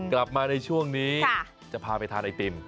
กลับมาในช่วงนี้จะพาไปทานไอติม